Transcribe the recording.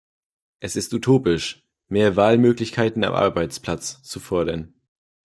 Es ist utopisch, "mehr Wahlmöglichkeiten am Arbeitsplatz" zu fordern.